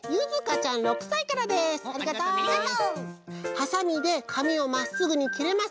「はさみでかみをまっすぐにきれません。